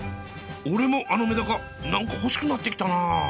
俺もあのメダカ何か欲しくなってきたなあ！